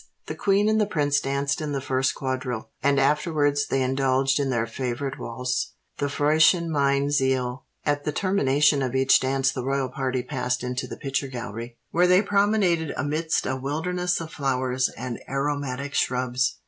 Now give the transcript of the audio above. The Queen and the Prince danced in the first quadrille; and afterwards they indulged in their favourite waltz—the Frohsinn mein Ziel. At the termination of each dance the royal party passed into the Picture Gallery, where they promenaded amidst a wilderness of flowers and aromatic shrubs.